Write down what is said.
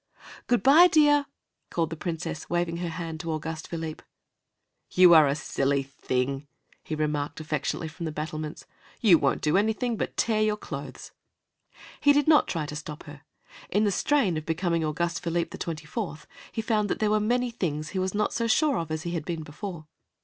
"Good by, dear!" called the Princess, waving her hand to Auguste Philippe. "You are a silly thing," he remarked, affectionately, from the battlements. "You won't do anything but tear your clothes." He did not try to stop her. In the strain of becoming Auguste Philippe the Twenty fourth he found that there were many things he was not so sure of as he had been before.